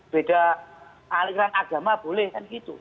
beda aliran agama boleh kan gitu